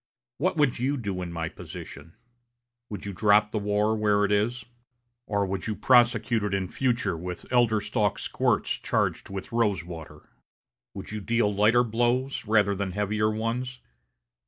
What would you do in my position? Would you drop the war where it is? Or would you prosecute it in future with elder stalk squirts charged with rose water? Would you deal lighter blows rather than heavier ones?